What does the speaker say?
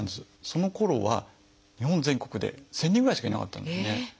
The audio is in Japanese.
そのころは日本全国で１，０００人ぐらいしかいなかったんですね。